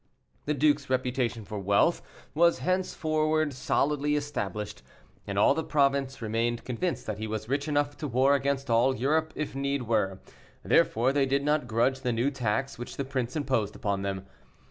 The duke's reputation for wealth was henceforward solidly established, and all the province remained convinced that he was rich enough to war against all Europe if need were, therefore they did not grudge the new tax which the prince imposed upon them.